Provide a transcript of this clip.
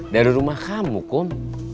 dari rumah kamu kom